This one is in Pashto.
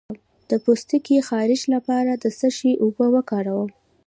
د پوستکي خارښ لپاره د څه شي اوبه وکاروم؟